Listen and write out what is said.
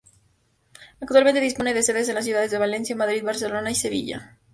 Actualmente dispone de sedes en las ciudades de Valencia, Madrid, Barcelona y Sevilla.